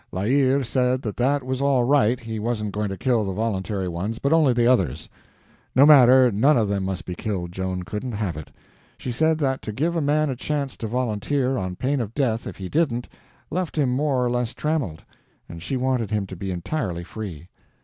La Hire said that that was all right, he wasn't going to kill the voluntary ones, but only the others. No matter, none of them must be killed—Joan couldn't have it. She said that to give a man a chance to volunteer, on pain of death if he didn't, left him more or less trammeled, and she wanted him to be entirely free.